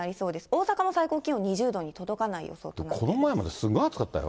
大阪も最高気温２０度に届かない予想となって。